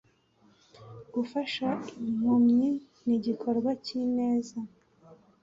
Gufasha impumyi nigikorwa cyineza.